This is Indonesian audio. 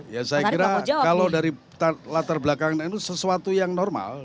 ya saya kira kalau dari latar belakang nu sesuatu yang normal